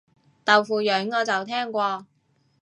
豆腐膶我就聽過